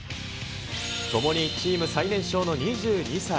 ともにチーム最年少の２２歳。